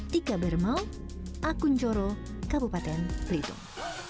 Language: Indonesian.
jika bermau akun joro kabupaten belitung